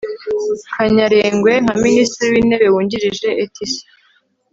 kanyarengwe nka minisitiri w'intebe wungirije etc